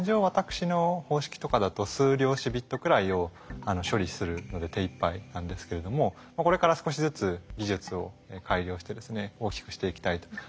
私の方式とかだと数量子ビットくらいを処理するので手いっぱいなんですけれどもこれから少しずつ技術を改良してですね大きくしていきたいと。